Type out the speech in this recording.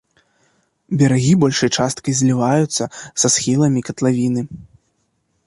Берагі большай часткай зліваюцца са схіламі катлавіны.